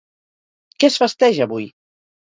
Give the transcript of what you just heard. Què es festeja avui?